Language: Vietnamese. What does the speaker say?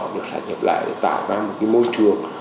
được sát nhập lại để tạo ra một cái môi trường